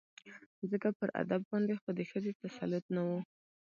ځکه پر ادب باندې خو د ښځې تسلط نه و